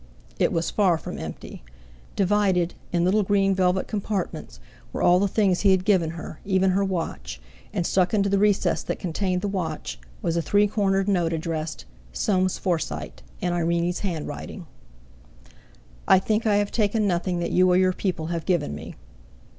It was far from empty. Divided, in little green velvet compartments, were all the things he had given her, even her watch, and stuck into the recess that contained the watch was a three cornered note addressed "Soames Forsyte," in Irene's handwriting: "I think I have taken nothing that you or your people have given me."